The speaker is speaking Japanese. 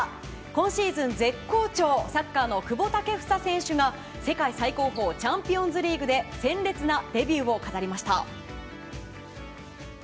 今シーズン、絶好調サッカーの久保建英選手が世界最高峰チャンピオンズリーグで鮮烈なデビューを飾りました。